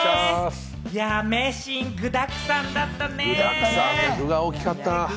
名シーン、具だくさんだったね！